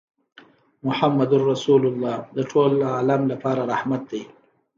محمدُ رَّسول الله د ټول عالم لپاره رحمت دی